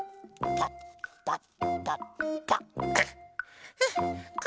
パッパッパッパッと。